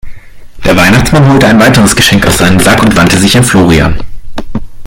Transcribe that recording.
Der Weihnachtsmann holte ein weiteres Geschenk aus seinem Sack und wandte sich an Florian.